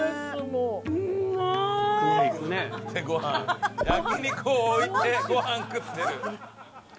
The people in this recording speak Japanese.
ご飯焼肉を置いてご飯食ってる。